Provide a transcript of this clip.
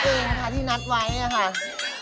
คือเท้าผมที่นัดไว้นะครับ